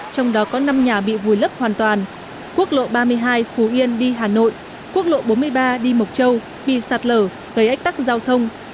trong đó có năm nhà bị vùi lấp hoàn toàn quốc lộ ba mươi hai phú yên đi hà nội quốc lộ bốn mươi ba đi mộc châu bị sạt lở gây ách tắc giao thông